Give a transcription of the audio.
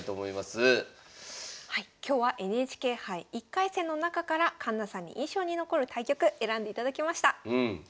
今日はＮＨＫ杯１回戦の中から環那さんに印象に残る対局選んでいただきました。